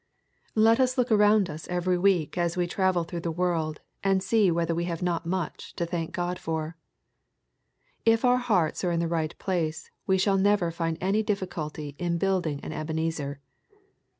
Let UB look atoTind us every week^ as we travel through the world, and see whether we have not much to thank God for. If our hearts are in the right place, we shall never find any difficulty in huilding an Ebenezer.